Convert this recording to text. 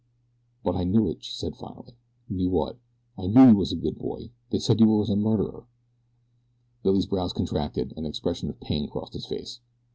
"But I knew it," she said finally. "Knew what?" asked Billy. "I knew you was a good boy. They said you was a murderer." Billy's brows contracted, and an expression of pain crossed his face.